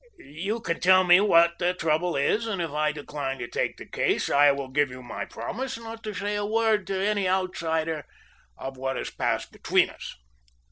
"You can tell me what the trouble is and if I decline to take the case I will give you my promise not to say a word to any outsider of what has passed between us."